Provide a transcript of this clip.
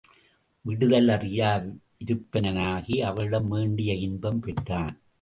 விடுதல் அறியா விருப்பினனாகி அவளிடம் வேண்டிய இன்பம் பெற்றான்.